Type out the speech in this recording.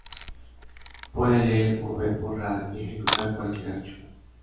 Puede leer, mover, borrar y ejecutar cualquier archivo.